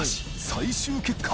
最終結果